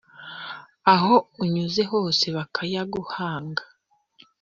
aho unyuze hose bakayaguhanga